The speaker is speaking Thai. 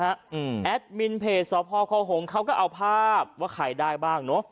แอดมินเพจสพคหงเขาก็เอาภาพว่าใครได้บ้างเนอะ